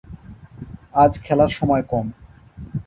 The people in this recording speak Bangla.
আজ খেলার সময় কম।